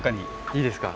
いいですか？